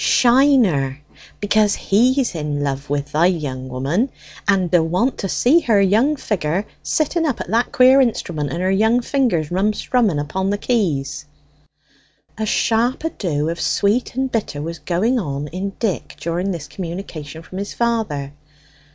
"Shiner, because he's in love with thy young woman, and d'want to see her young figure sitting up at that queer instrument, and her young fingers rum strumming upon the keys." A sharp ado of sweet and bitter was going on in Dick during this communication from his father.